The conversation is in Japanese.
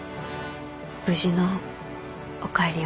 無事のお帰りを。